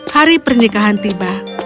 hari pernikahan tiba